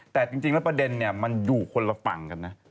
แต่จริงแล้วประเด็นเนี่ยมันอยู่คนละฝั่งกันนะ